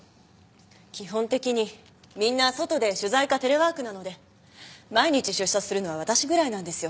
基本的にみんな外で取材かテレワークなので毎日出社するのは私ぐらいなんですよ。